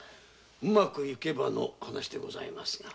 うまくいけばの話でございますが。